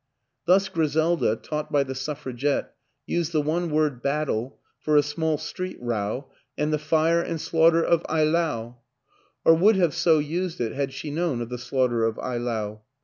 Thus Griselda, taught by The Suffragette, used the one word " battle " for a small street row and the fire and slaughter of Eylau or would have so used it, had she known of the slaughter of Eylau.